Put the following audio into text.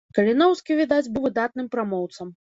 Каліноўскі, відаць, быў выдатным прамоўцам.